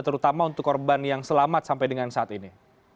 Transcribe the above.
terutama untuk korban yang selamat sampai dengan saat ini